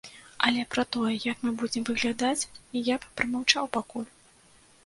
Але пра тое, як мы будзем выглядаць, я б прамаўчаў пакуль!